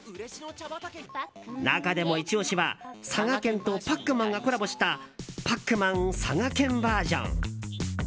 中でもイチ押しは、佐賀県と「パックマン」がコラボした「パックマン佐賀県ｖｅｒ．」。